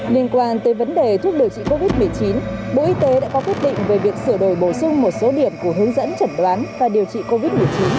liên quan tới vấn đề thuốc điều trị covid một mươi chín bộ y tế đã có quyết định về việc sửa đổi bổ sung một số điểm của hướng dẫn chẩn đoán và điều trị covid một mươi chín